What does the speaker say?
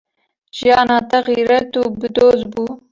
Jiyana te xîret û bi doz bû.